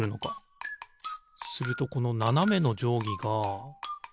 するとこのななめのじょうぎが。